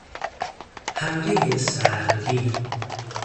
حملهی سهمگین